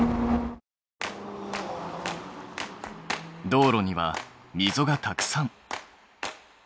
道路にはみぞがたくさん。